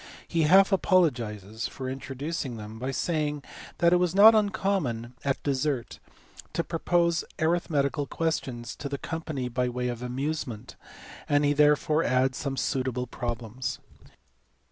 He half apologi/es for introducing them by saving that it was not uncommon at dessert to propose; arithmetical questions to the company by way of amusement, and he therefore adds some suitable problems.